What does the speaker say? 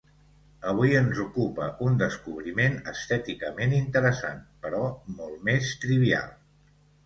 Avui ens ocupa un descobriment estèticament interessant, però molt més trivial.